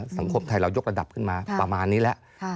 สังคมไทยเรายกระดับขึ้นมาประมาณนี้แล้ว